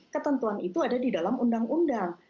ketentuan itu ada di dalam undang undang